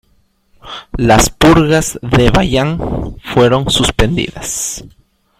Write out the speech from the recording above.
Las purgas de Bayan fueron suspendidas.